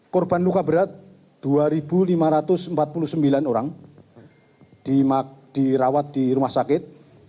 korban luka berat dua lima ratus empat puluh sembilan orang dirawat di rumah sakit